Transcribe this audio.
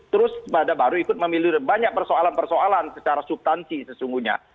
terus baru ikut memilih banyak persoalan persoalan secara subtansi sesungguhnya